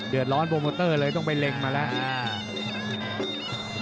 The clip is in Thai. เดือดร้อนโปรโมเตอร์เลยต้องไปเล็งมาแล้ว